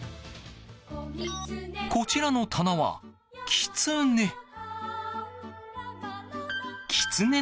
こちらの棚は、キツネ。